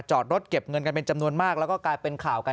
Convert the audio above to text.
จอดรถเก็บเงินกันเป็นจำนวนมากแล้วก็กลายเป็นข่าวกัน